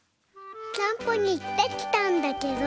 散歩にいってきたんだけど。